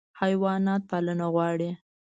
حیوانات پالنه غواړي.